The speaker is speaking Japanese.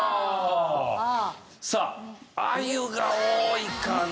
さああゆが多いかな。